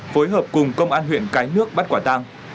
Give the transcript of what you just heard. phối hợp cùng công an huyện cái nước bắt quả tang